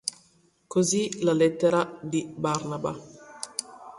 Così la "Lettera di Barnaba".